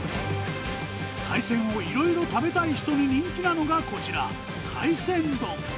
海鮮をいろいろ食べたい人に人気なのがこちら、海鮮丼。